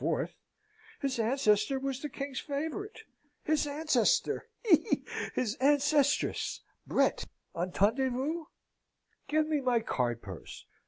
His ancestor was the king's favourite. His ancestor he! he! his ancestress! Brett! entendez vous? Give me my card purse.